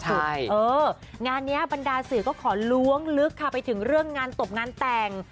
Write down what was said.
ใช่เอองานนี้บรรดาสื่อก็ขอล้วงลึกค่ะไปถึงเรื่องงานตบงานแต่ง